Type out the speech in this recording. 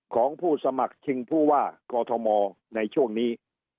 ของผู้สมัครชิงผู้ว่ากอทมในช่วงนี้